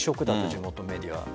地元メディアは。